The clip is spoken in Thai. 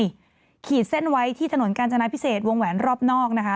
ขีดเส้นไว้ที่ถนนกาญจนาพิเศษวงแหวนรอบนอกนะคะ